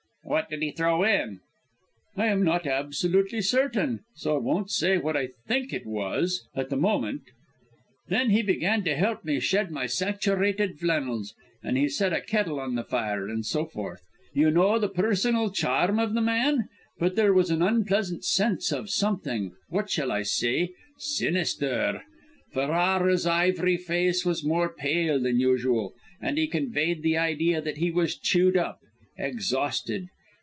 "What did he throw in?" "I am not absolutely certain; so I won't say what I think it was, at the moment. Then he began to help me shed my saturated flannels, and he set a kettle on the fire, and so forth. You know the personal charm of the man? But there was an unpleasant sense of something what shall I say? sinister. Ferrara's ivory face was more pale than usual, and he conveyed the idea that he was chewed up exhausted.